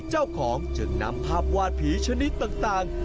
เจ้าของจึงนำภาพวาดผีชนิดต่าง